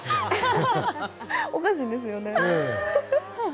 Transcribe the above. おかしいんですよね。